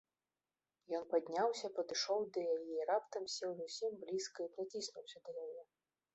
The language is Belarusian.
Ён падняўся, падышоў да яе і раптам сеў зусім блізка і прыціснуўся да яе.